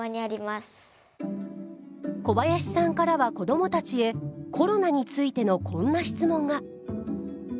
小林さんからは子どもたちへコロナについてのこんな質問が。